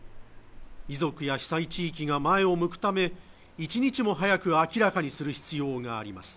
遺族や被災地域が前を向くため１日も早く明らかにする必要があります